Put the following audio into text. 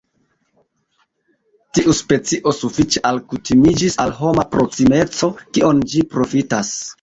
Tiu specio sufiĉe alkutimiĝis al homa proksimeco, kion ĝi profitas.